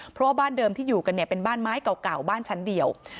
เพราะว่าบ้านเดิมที่อยู่กันเนี่ยเป็นบ้านไม้เก่าบ้านชั้นเดียว